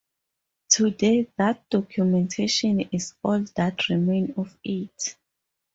Today that documentation is all that remain of it.